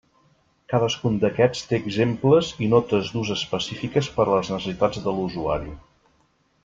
Cadascun d'aquests té exemples i notes d'ús específiques per a les necessitats de l'usuari.